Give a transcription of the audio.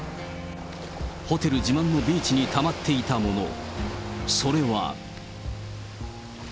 ホテル自慢のビーチにたまっていたもの、それは。